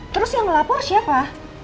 terus yang melapor siapa